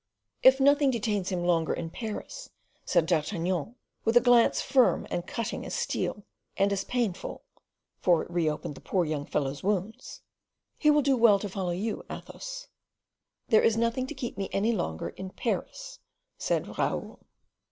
"If nothing detains him longer in Paris," said D'Artagnan, with a glance firm and cutting as steel, and as painful (for it reopened the poor young fellow's wounds), "he will do well to follow you, Athos." "There is nothing to keep me any longer in Paris," said Raoul.